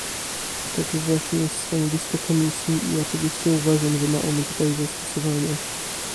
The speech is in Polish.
Takie właśnie jest stanowisko Komisji i oczywiście uważam, że ma ono tutaj zastosowanie